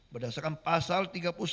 berdasarkan pasal tiga puluh satu